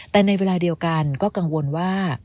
แต่ในเวลาเดียวกันก็กังวลว่า